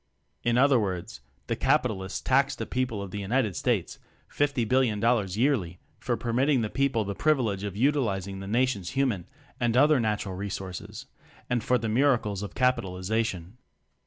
In other words: "The Capitalists" tax the People of the United States fifty billion dollars ($50,000,000,000) yearly for permitting the People the privilege of utilizing the Nation's hu man and other natural resources and for (the miracles of) "Capitalization."